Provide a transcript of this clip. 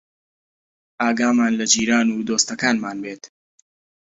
ئاگامان لە جیران و دۆستەکانمان بێت